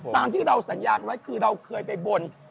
ตามที่เราสัญญาณไว้คือเราเคยไปบน